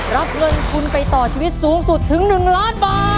รับเงินทุนไปต่อชีวิตสูงสุดถึง๑ล้านบาท